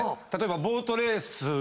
例えばボートレース。